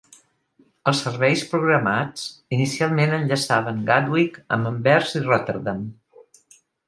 Els serveis programats, inicialment enllaçaven Gatwick amb Anvers i Rotterdam.